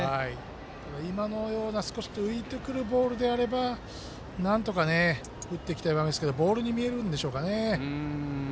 ただ、今のような少し浮いてくるボールであればなんとか打っていきたいんですがボールに見えるんでしょうかね。